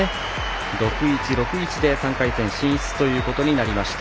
６−１、６−１で３回戦進出となりました。